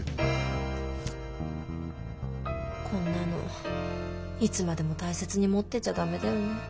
こんなのいつまでも大切に持ってちゃダメだよね。